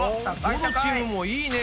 どのチームもいいね。